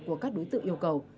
của các đối tượng yêu cầu